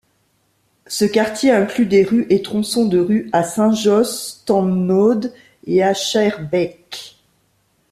Ce quartier inclut des rues et tronçons de rues à Saint-Josse-ten-Noode et à Schaerbeek.